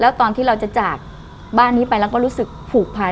แล้วตอนที่เราจะจากบ้านนี้ไปแล้วก็รู้สึกผูกพัน